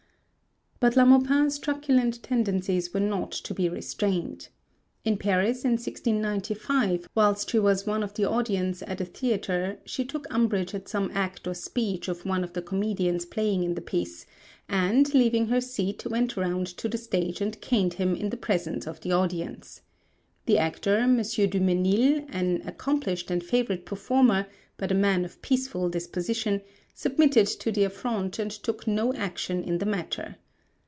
But La Maupin's truculent tendencies were not to be restrained. In Paris in 1695 whilst she was one of the audience at a theatre she took umbrage at some act or speech of one of the comedians playing in the piece, and leaving her seat went round to the stage and caned him in the presence of the audience. The actor, M. Dumenil, an accomplished and favourite performer but a man of peaceful disposition, submitted to the affront and took no action in the matter.